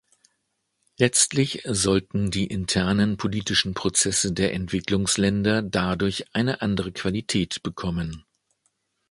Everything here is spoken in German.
Letztlich sollten die internen politischen Prozesse der Entwicklungsländer dadurch eine andere Qualität bekommen.